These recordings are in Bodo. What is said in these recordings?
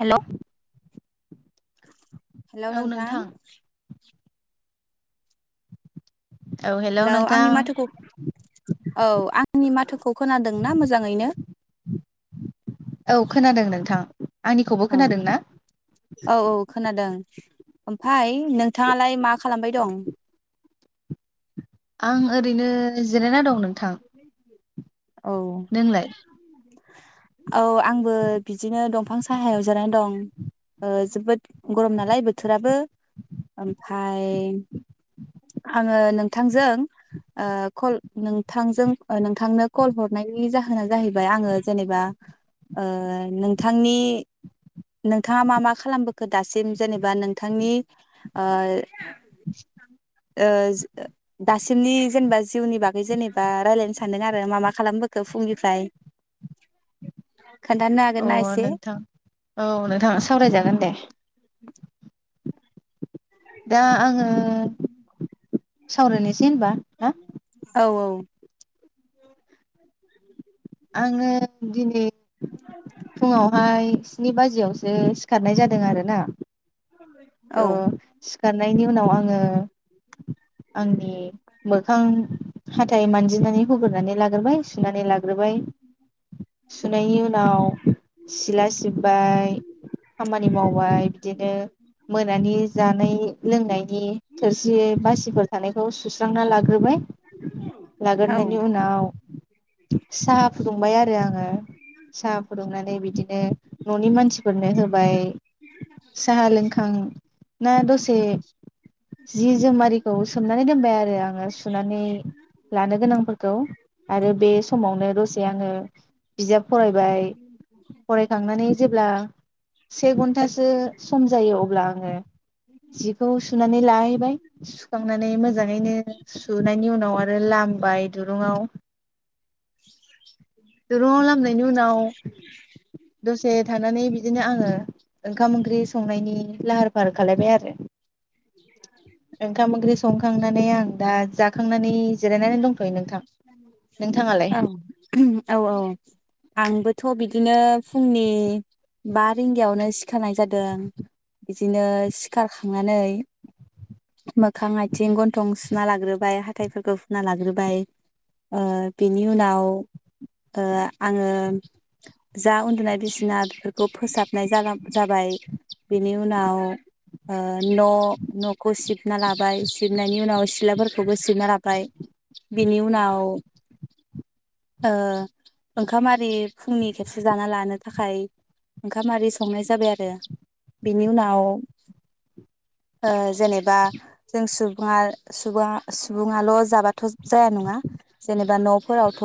हेलौ [inaudible] हेलौ नोंथां औ हेलौ हेल' आंनि नोंथां माथोखौ औ आंनि माथोखौ खोनादों ना मोजाङैनो औ खोनादों नोंथां आंनिखौबो औ खोनादों ना? औ औ खोनादों ओमफाय नोंथाङालाय मा खालामबाय दं? आं ओरैनो जिरायना दं नों थां औ नोंलाय? औ आंबो बिदिनो दंफां साहायाव जनानै दं ओ जोबोद गरम नालाय बोथोराबो ओमफाय आङो नोंथांजों ओ कल नोंथांजों नोंथांनो कल हरनायनि जाहोना जाहैबाय आङो जेनेबा ओ नोंथांनि नोंथाङा मा मा खालामबोखो दासिम जेनेबा नोंथांनि ओ ओ दासिमनि जेनेबा जिउनि बागै जेनेबा रायलायनो सानदों आरो मा मा खालामबोखो फुंनिफ्राय खोन्थानो हागोन ना अ एसे नोंथां औ नोंथां सावरायजागोन दे दा आङो सावरायनि औ औ [inaudible] आङो दिनै [inaudible] फुङावहाय स्नि बाजियावसो सिखारनाय जादों आरो ना औ ओ सिखारनायनि उनाव आङो आंनि मोखां हाथाय मानजिनानै हुग्रोनानै लाग गोरबाय सुनानै लाग्रोबाय सुनायनि उनाव सिला सिब्बाय खामानि मावबाय बिदिनो मोनानि जानाय लोंनायनि थोरसि बासिफोर थानायखौ सुस्रांना लाग्रोबाय औ लागोरनायनि उनाव साहा फुदुंबाय आरो आङो सा फुदुंनानै बिदिनो न'नि मानसिफोरनो होबाय साहा लोंखां ना दसे जि जोमारिखौ सोमनानै दोनबाय आरो आङो सुनानै लानो गोनांफोरखौ आरो बे समावनो दसे आङो बिजाब फरायबाय फरायखांनानै जेब्ला से घन्टासो सम जायो अब्ला आङो जिखौ सुनानै लाहैबाय सुखांनानै मोजाङैनो सुनायनि उनाव आरो लामबाय दुरुंआव दुरुङाव लामनायनि उनाव दसे थानानै बिदिनो आङो ओंखाम ओंख्रि संनायनि लाहार फाहार खालायबाय आरो ओंखाम ओंख्रि संखांनानै आं दा जाखांनानै जिरायनानै दंथ'यो नोंथां। नोंथाङालाय? औ औ आंबोथ' बिदिनो फुंनि बा रिंगायावनो सिखारनाय जादों बिदिनो सिखारखांनानै मोखां आइथिं गन्थं सुना लाग्रोबाय हाथाइफोरखौ फुना लाग्रोबाय ओ बिनि उनाव ओ आङो जा उन्दुनाय बिसिना बेफोरखौ फोसाबनाय जा -जाबाय बिनि उनाव ओ न' न'खौ सिबना लाबाय सिबनायनि उनाव सिलाफोरखौबो सिबना लाबाय बिनि उनाव ओ ओंखाम आरि फुंनि खेबसे जाना लानो थाखाय ओंखाम आरि संनाय जाबाय आरो बिनि उनाव ओ जेनेबा जों सुबङा सुबा सुबुङाल' जाबाथ' जाया नङा जेनेबा न'फोरावथ'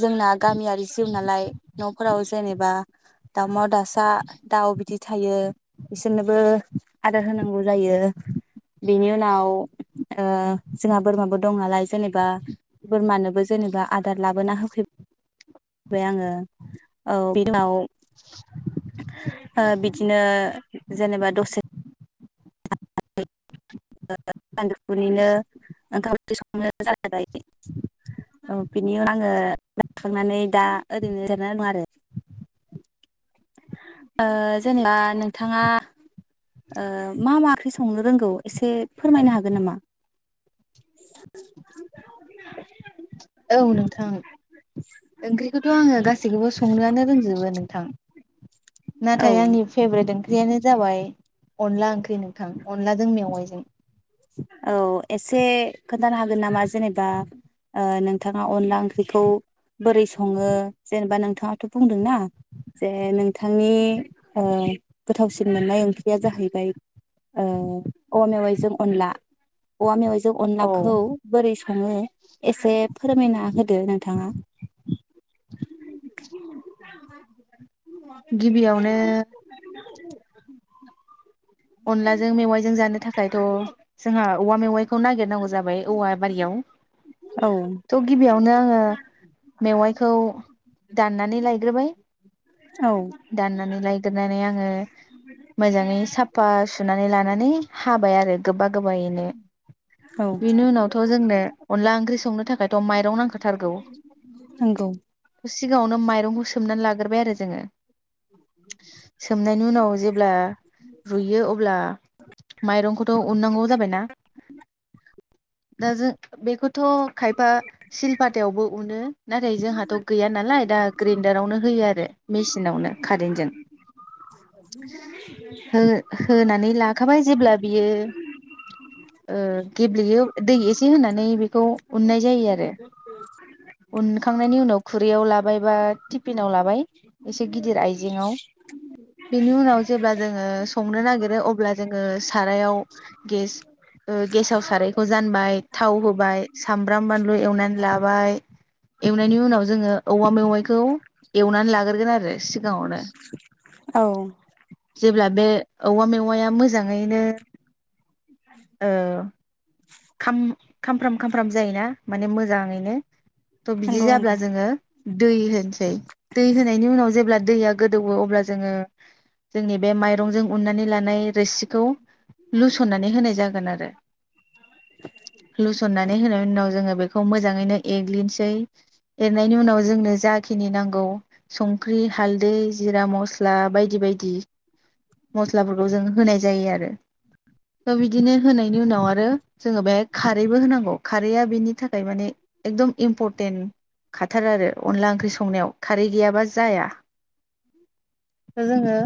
जोंना गामियारि जिउनालाय न'फोराव जेनेबा दामा दासा दाउ बिदि थायो इसोरनोबो आदार होना गौ जायो बिनि उनाव ओ जोंहा बोरमाबो दं नालाय जेनेबा बोरमानोबो जेनेबा आदार लाबोना होफै बाय आङो औ बिनि उनाव ओ बिदिनो जेनेबा दसे [inaudible] सान्दु फुनिनो ओंखाम ओंख्रि संनो जालायबाय औ बिनि उनाव आङो जाखांनानै दा ओरैनो जिरना दं आरो ओ जेनेबा नोंथाङा ओ मा मा ओंख्रि सं संनो रोंगौ एसे फोरमायनो हागोन नामा? औ नोंथां ओंख्रिखौथ' आङो गासैखौबो संनोआनो रोंजोबो नोंथां औ नाथाय आंनि फेभ्रेट ओंख्रियानो जाबाय अनला ओंख्रि नोंथां अनलाजों मेवाइजों। औ अ एसे खोन्थानो हागोन नामा जेनेबा ओ नोंथाङा अनला ओंख्रिखौ बोरै सङो जेनेबा नोंथाङाथ' बुंदोंना जे नोंथांनि ओ गोथावसिन मोननाय ओंख्रिया जाहैबाय ओ औवा मेवाइजों अनला अवा मेवाइ जों औ अनलाखौ बोरै सङो एसे फोरमायना होदो नोंथाङा‌। [inaudible] गिबियावनो अनलाजों मेवाइजों जानो थाखायथ' जोंहा औवा मेवाइखौ नागिरनांगौ जाबाय औवा बारियाव औ थ' गिबियावनो आङो मेवाइखौ दाननानै लायग्रोबाय औ दाननानै लायग्रोनानै आङो मोजाङै साफ आ सुनानै लानानै हाबाय आरो गोबा गोबायैनो औ बिनि उनावथ' जोंनो अनला ओंख्रि संनो थाखायथ' माइरं नांखा थारगौ नंगौ सिगाङावनो माइरंखौ सोमनानै लाग्रोबाय आरो जोङो सोमनायनि उनाव जेब्ला रुयो अब्ला माइरंखौथ' उननांगौ जाबायना दा जों बेखौथ' खायफा सिलपातायावबो उनो नाथाय जोंहाथ' गैया नालाय दा ग्रेन्डारावनो होयो आरो मिसिनावनो कारेन्टजों [unintelligible] होनो होनानै लाखाबाय जेब्ला बियो ओ गेब्लेयो दै एसे होनानै बेखौ उननाय जायो आरो। उनखांनायनि उनाव खुरैयाव लाबाय बा टिफिनाव लाबाय एसे गिदिर आइजेेङाव बेनि उनाव जेब्ला जों ओ संनो नागिरो अब्ला जोङो सारायाव गेस ओ गेसाव सारायखौ जानबाय थाव होबाय सामब्राम बानलु एवनानै लाबाय एवनायनि उनाव जोङो औवा मेवाइखौ एवनानै लाग्रोगोन आरो सिगाङावनो। औ जेब्ला बे औवा मेवाया मोजाङैनो ओ खाम खामफ्राम खामफ्राम जायोना माने मोजाङैनो थ बिदि नंगौ जाब्ला नंगौ जोङो दै होनसै दै होनायनि उनाव जेब्ला दैया गोदौवो अब्ला जोङो जोंनि बे माइरंजों उन्नानै लानाय रोसिखौ लुसननानै होनाय जागोन आरो लुसननानै होनायनि उनाव जोङो बेखौ मोजाङैनो एरग्लिनोसै एरनायनि उनाव जोंनो जाखिनि नांगौ संख्रि हालदै जिरा मस्ला बायदि बायदि मस्लाफोरखौ जों होनाय जायो आरो। कबि बिदिनो होनायनि उनाव आरो जोङो बेग खारैबो होनांगौ खारैया बेनि थाखाय माने एकदम इम्परटेन्ट खाथार आरो अनला ओंख्रि संनायाव खारै गैयाबा जाया। दा जोङो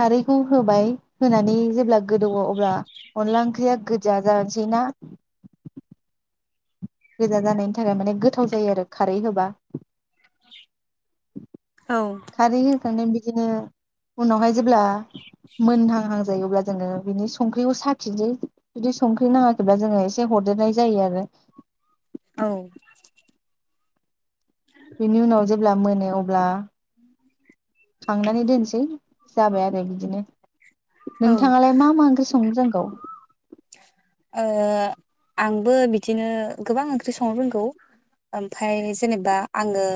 खारैखौ होबाय होनानै जेब्ला गोदौवो अब्ला अनला ओंख्रिया गोजा जानो बिना गोजा जानायनि थाखाय माने गो गोथाव जायो आरो खारै होबा। औ खारै होखांना बिदिनो उनावहाय जेब्ला मोनहांहांजायो अब्ला जोङो बिनि संख्रिखौ साखिनोसै जुदि संख्रि नाङाखैब्ला जोङो एसे हरदेरनाय जायो आरो। औ बेनि उनाव जेब्ला मोनो अब्ला खांनानै दोनसै। जाबाय आरो बिदिनो। ओ नोंथाङालाय मा मा ओंख्रि संनो रों गौ? ओ आंबो बिदिनो गोबां ओंख्रि संनो रोंगौ। ओमफाय जेनेबा आङो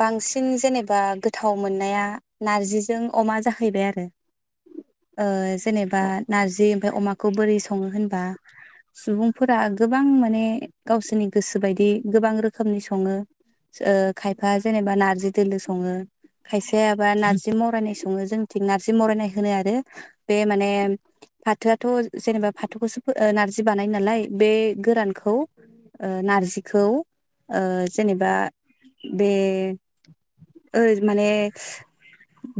बांसिन जेनेबा गोथाव मोननाया नारजिजों अमा जाहैबाय आरो। ओ जेनेबा औ नारजि बे अमा खौ बोरै सङो होनबा सुबुंफोरा गोबां माने गावसोरनि गोसो बायदि गोबां रोखोमनि सङो। ओ खायफा जेनेबा नारजि दोलो सङो खायफा जेनबा नारजि मावरायनाय सङो जोंनिथिं नारजि मरायनाय होनो आरो बे माने फाथो थ जेनेबा फाथौखौसो नार्जि बानायो नालाय बे गोरानखौ नारजिखौ ओ जेनेबा बे ओ माने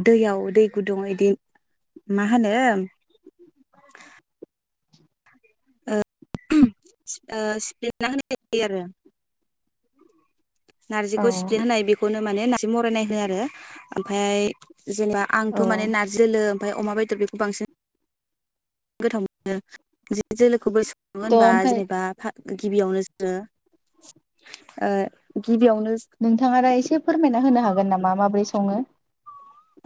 दैयाव दै गुदुङाव बिदि मा होनो ओ सिफ्लेना होनाय जायो आरो। नारजिखौ सिफ्ले होनाय बेखौनो माने नारजि मरायनाय होनो आरो ओमफाय जेनेबा औ आंथ माने नारजि दोलो ओमफाय अमा बेदर बेखौ बांसिन गोथाव मोनो [unintelligible] खौबो सङो थ' होनबा ओमफ्राय जेनेबा फा गिबियावनो जोङो ओ गिबियावनो नोंथाङा दा एसे फोरमायना होनो हागोन नामा माबोरै स सङो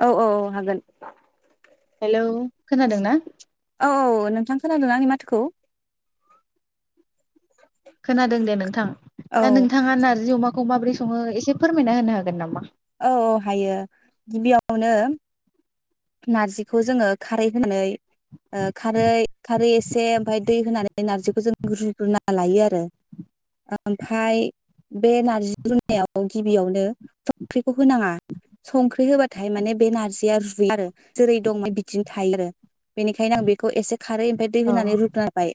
औ औ औ हागोन। हेलौ खोनादों ना? औ औ औ नोंथां खोनादों आंनि माथोखौ? खोनादों दे नोंथां औ दा नोंथाङा नार्जि अमा खौ माबोरै सङो एसे फोरमायना होनो हागोन नामा? औ औ हायो गिबियावनो नारजिखौ जोङो खारै होनानै ओ खारै खारै एसे ओमफाय दै होनानै नार्जिखौ जों रुग्रुना लायो आरो ओमफाय बे नारजि रुनायाव गिबियावनो स ख्रिखौ होनाङा संख्रि होबाथाय माने बे नारजिया रुय आरो जेरै दं बिदिनो थायो आरो बेनिखायनो आं बिखौ एसे खारै ओमफाय दै औ होनानै रुगारबाय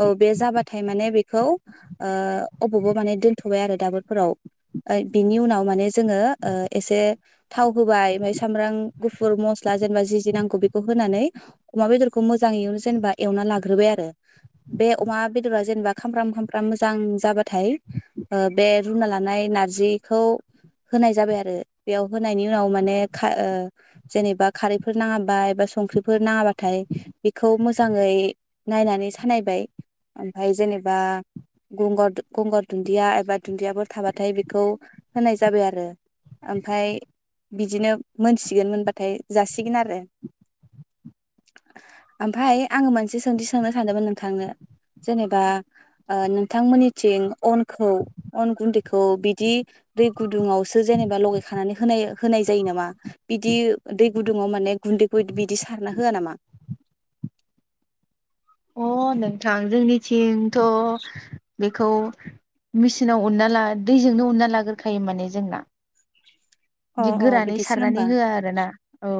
औ बे जाबाथाय माने बे खौ ओ अबावबाव माने दोनथ'बाय आरो दाबोरफोराव ओ बिनि उनाव माने जोङो ओ एसे थाव होबाय ओमफाय सामब्रां गुफुर मस्ला जेनेबा जि जि नांगौ बेखौ होनानै अमा बेदरखौ मोजाङैयावनो जेनेबा एवना लाग्रोबाय आरो बे अमा बेदरा जेनेबा खामफ्राम खामफ्राम मोजां जाबाथाय ओ बे रुना लानाय नारजिखौ होनाय जाबाय आरो बेयाव होनायनि उनाव माने खा ओ जेनेबा खारैफोर नाङाबा एबा संख्रिफोर नाङाबाथाय बेखौ मोजाङै नायनानै सानायबाय ओमफाय जेनेबा गंगार दु गंगार दुन्दिया एबा दुन्दियाफोर थाबाथाय बेखौ होनाय जाबाय आरो। ओमफाय बिदिनो मोनसिगोन मोनबाथाय जासिगोन आरो। ओमफाय आङो मोनसे सोंथि सोंनो सानदोंमोन नोंथांनो जेनेबा ओ नोंथांमोननिथिं अनखौ अन गुन्दैखौ बिदि दै गुदुङावसो जेनेबा लगाय खानानै होनाय होनाय जायो नामा बिदि दै गुदुङाव माने गुन्दै गु बिदि सारना होआ नामा अ नोंथां जोंनिथिंथ' बेखौ मिचिनाव उनना ला दैजोंनो उनना लाग्रोखायो माने जोंना। अ दि अ गोरानै बिदिसो सारनानै होमबा होआ आरो ना औ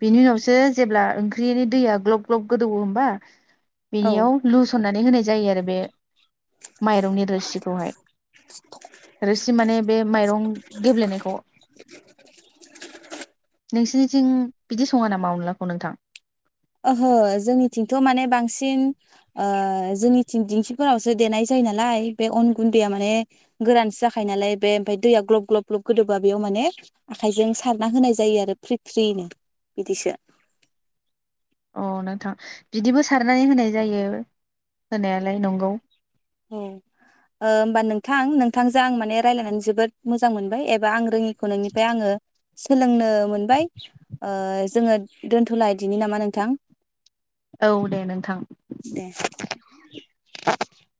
बिनि उनावसो जेब्ला ओंख्रिनि दैया ग्लब ग्लब गोदौओ होमबा [inaudible] औ बेनियाव लुसना नै होनाय जायो आरो बे माइरंनि रोसिखौहाय रोसि माने बे माइरं गेब्लेनायखौ। नोंसिनि सिं बिदि सङो नामा अनलाखौ नोंथां? ओहो जोंनिथिंथ' माने बांसिन ओ जोंनिथिं दिंखिफोरावसो देनाय जायो नालाय बे अन गुन्दैया माने गोरानसो जाखायो नालाय बे ओमफाय दैया ग्लब ग्लब ग्लब गोदोबा बेयाव माने आखाइजों सारना होनाय जायो आरो फ्रि फ्रिनो बिदिसो। अ नोंथां बिदिबो सारनानै होनाय जायो होनायालाय नंगौ। औ ओ होमबा नोंथां नोंथांजों आं माने रायजलायनानै जोबोद मोजां मोनबाय एबा आं रोङिखौ नोंनिफ्राय आङो सोलोंनो मोनबाय ओ जोङो दोनथ'लादिनि नामा नोंथां? औ दे नोंथां दे [inaudible]